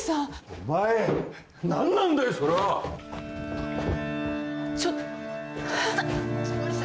お前何なんだよそれは！ちょっと臭っ！